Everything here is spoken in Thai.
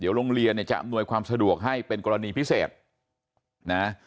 โรงเรียนเนี่ยจะอำนวยความสะดวกให้เป็นกรณีพิเศษนะ